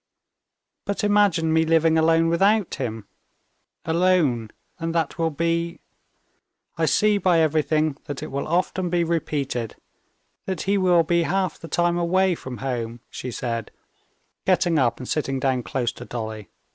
But imagine me living alone without him, alone, and that will be ... I see by everything that it will often be repeated, that he will be half the time away from home," she said, getting up and sitting down close by Dolly.